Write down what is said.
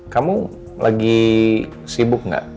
kamu lagi sibuk gak